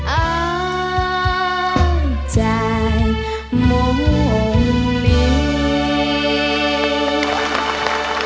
อ้าวใจมุ่งนิ้ว